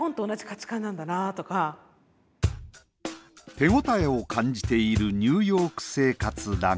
手応えを感じているニューヨーク生活だが。